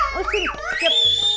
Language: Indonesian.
oh gak boleh gak boleh